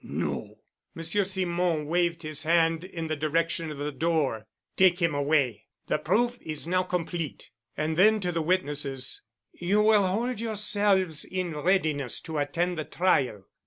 "No." Monsieur Simon waved his hand in the direction of the door. "Take him away. The proof is now complete." And then to the witnesses, "You will hold yourselves in readiness to attend the trial.